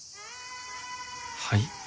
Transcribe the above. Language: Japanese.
はい？